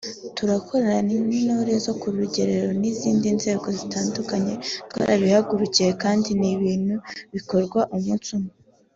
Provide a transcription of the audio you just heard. turakorana n’intore zo ku rugerero n’izindi nzego zitandukanye twarabihagurukiye kandi ni ibintu bitakorwa umunsi umwe”